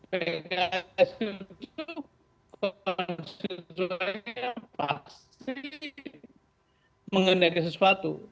pks itu konstituen yang paksih mengendalikan sesuatu